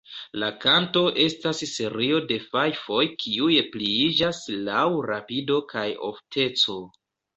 La kanto estas serio de fajfoj kiuj pliiĝas laŭ rapido kaj ofteco.